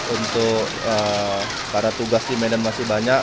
untuk para tugas di medan masih banyak